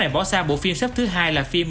bộ phim xếp thứ hai là phim